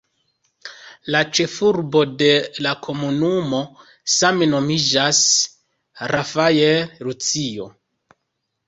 La ĉefurbo de la komunumo same nomiĝas "Rafael Lucio".